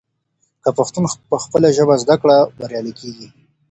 که پښتون پخپله ژبه زده کړه وکړي، بریالی کیږي.